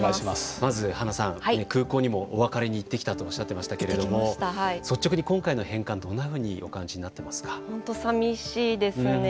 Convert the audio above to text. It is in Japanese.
まず、はなさん空港にもお別れに行ってきたとおっしゃっていましたけれども率直に今回の返還どんなふうに本当に寂しいですね。